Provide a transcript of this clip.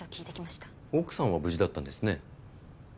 奥さんは無事だったんですね。